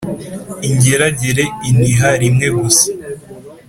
Ingeragere iniha rimwe gusa,